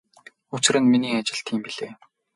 Учир нь миний ажил тийм билээ.